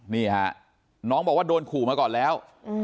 นี่ฮะน้องบอกว่าโดนขู่มาก่อนแล้ว